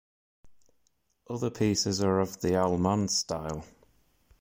Other pieces are of the allemande style.